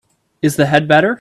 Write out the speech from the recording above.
Is the head better?